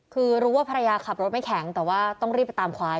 คือรู้ว่าภรรยาขับรถไม่แข็งแต่ว่าต้องรีบไปตามควาย